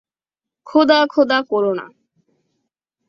খোদা খোদা কোরোনা।